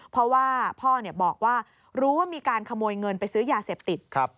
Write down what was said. เพราะว่าพ่อบอกว่ารู้ว่ามีการขโมยเงินไปซื้อยาเสพติด